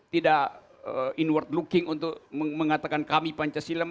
tidak inward looking untuk mengatakan kami pancasila